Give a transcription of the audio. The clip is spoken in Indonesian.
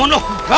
aduh sakit pak